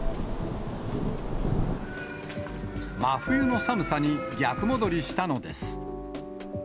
真冬の寒さに逆戻りしたのです。